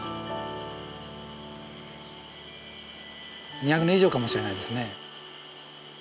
２００年以上かもしれないですね。